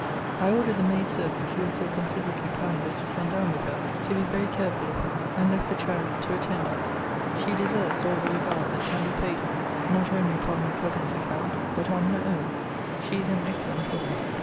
I ordered the maid servant you were so considerately kind as to send down with her, to be very careful of her; and left the chariot to attend her. She deserves all the regard that can be paid her; not only upon my cousin's account, but on her own she is an excellent woman.